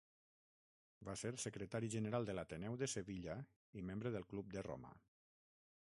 Va ser Secretari General de l'Ateneu de Sevilla i membre del Club de Roma.